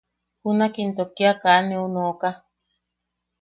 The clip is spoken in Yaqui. Junak into kia kaa neu nooka.